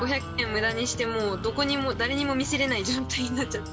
無駄にしてもうどこにも誰にも見せれない状態になっちゃって。